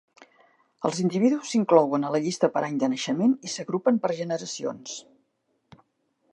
Els individus s'inclouen a la llista per any de naixement i s'agrupen per generacions.